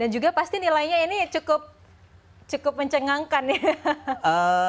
dan juga pasti nilainya ini cukup mencengangkan ya